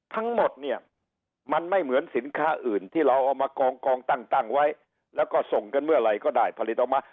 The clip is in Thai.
ทั้งหมดเนี่ยมันไม่เหมือนสินค้าอื่นที่เราเอามากองตั้งไว้แล้วก็ส่งกันเมื่อไหร่ก็ได้ผลิตออกมา